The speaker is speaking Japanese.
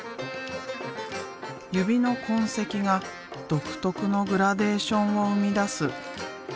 指の痕跡が独特のグラデーションを生み出す。